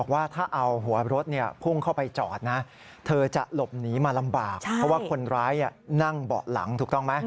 ว่ามันเกิดอะไรขึ้น